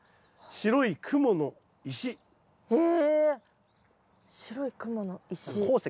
白い雲の石。